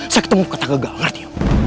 saya ketemu kata gagal ngerti